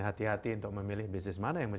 hati hati untuk memilih bisnis mana yang